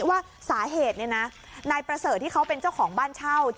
ว่าสาเหตุเนี่ยนะนายประเสริฐที่เขาเป็นเจ้าของบ้านเช่า